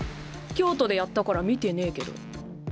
京都でやったから見てねぇけど。